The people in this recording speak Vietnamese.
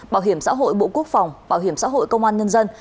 bảo hiểm xã hội bộ quốc phòng bảo hiểm xã hội công an nhân dân